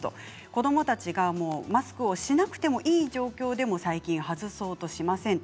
子どもたちがマスクをしなくてもいい状況でも最近外そうとしません。